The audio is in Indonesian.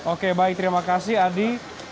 oke baik terima kasih adi